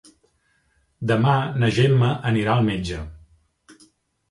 Demà na Gemma anirà al metge.